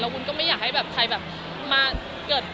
วุ้นก็ไม่อยากให้แบบใครแบบมาเกิด